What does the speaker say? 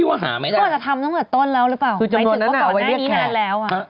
เขาจะทำตั้งแต่ต้นแล้วหรือเปล่า